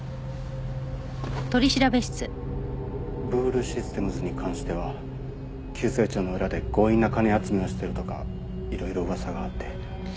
ブールシステムズに関しては急成長の裏で強引な金集めをしてるとかいろいろ噂があって。